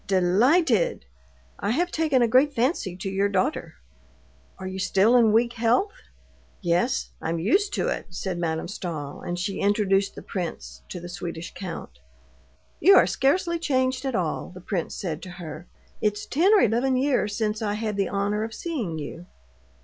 "Delighted! I have taken a great fancy to your daughter." "You are still in weak health?" "Yes; I'm used to it," said Madame Stahl, and she introduced the prince to the Swedish count. "You are scarcely changed at all," the prince said to her. "It's ten or eleven years since I had the honor of seeing you."